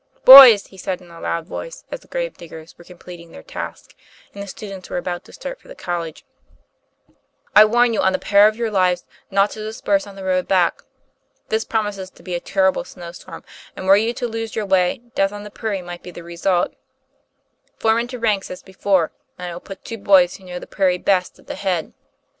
"Boys, "he said in a loud voice, as the grave diggers were completing their task, and the students were about to start for the college, " I warn you, on peril of your lives, not to disperse on the road back. This promises to be a terrible snow storm, and were you to lose your way, death on the prairie might be the result. Form into ranks as before and I will put two boys who know the prairie best at the head."